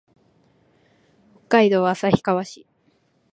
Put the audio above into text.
北海道旭川市